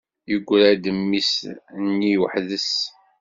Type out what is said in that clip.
Yegra-d mmi-s-nni waḥed-s.